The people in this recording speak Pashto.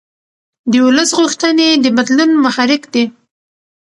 د ولس غوښتنې د بدلون محرک دي